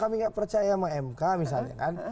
kami nggak percaya sama mk misalnya kan